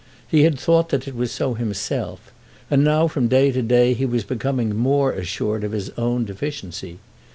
He had thought that it was so himself, and now from day to day he was becoming more assured of his own deficiency.